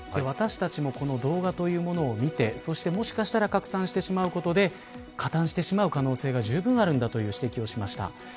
私たちもこの動画というものを見てそして、もしかしたら拡散してしまうことで加担してしまう可能性がじゅうぶんあるんだという指摘をしました。